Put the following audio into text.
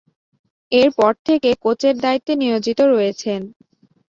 এরপর থেকে কোচের দায়িত্বে নিয়োজিত রয়েছেন।